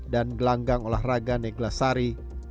dan gelanggang olahraga neglasari